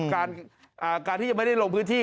กับการที่ไม่ได้ลงพื้นที่